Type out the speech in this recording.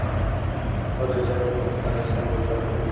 خپله ژبه پخپله سمه زدکړئ.